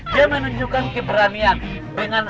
dia menunjukkan keberanian